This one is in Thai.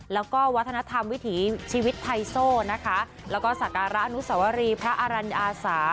แล้วก็วัฒนธรรมวิถีชีวิตไทโซ่นะคะแล้วก็สักการะอนุสวรีพระอรัญญาอาสา